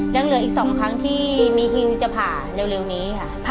ยังเหลืออีก๒ครั้งที่มีคิวจะผ่าเร็วนี้ค่ะ